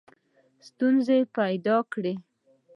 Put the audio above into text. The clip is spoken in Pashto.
ستونزي پیدا کړې.